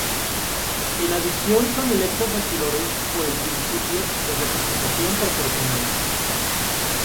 En adición son electos regidores por el principio de representación proporcional.